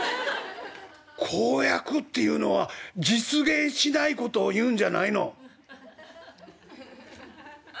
公約っていうのは実現しないことを言うんじゃないの？」。